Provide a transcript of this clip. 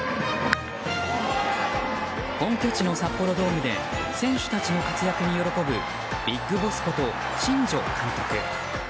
本拠地の札幌ドームで選手たちの活躍に喜ぶＢＩＧＢＯＳＳこと新庄監督。